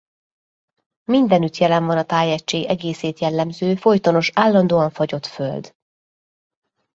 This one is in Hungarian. Mindenütt jelen van a tájegység egészét jellemző folytonos állandóan fagyott föld.